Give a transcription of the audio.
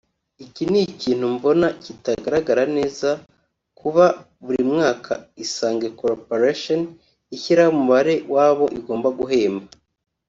Iki ni ikintu mbona kitagaragara neza kuba buri mwaka Isange Corporation ishyiraho umubare w’abo igomba guhemba